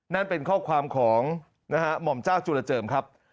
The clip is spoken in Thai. นั่นเป็นข้อความของนะฮะหม่อมเจ้าจุลเจิมครับ